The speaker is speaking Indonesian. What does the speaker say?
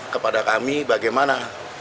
kepada kami bagaimana